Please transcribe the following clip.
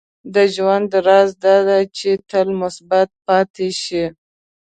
• د ژوند راز دا دی چې تل مثبت پاتې شې.